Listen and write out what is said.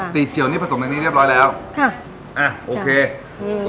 ตีเจียวประสงค์ที่นี่เรียบร้อยแล้วครับ